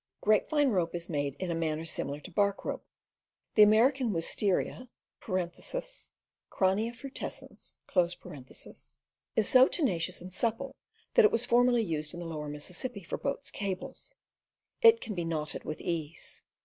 Grapevine rope is made in a manner similar to bark rope. The American wistaria (Kraunhia fru tescens) is so tenacious and supple that it was formerly used along the lower Mississippi for boats' cables; it can be knotted with ease.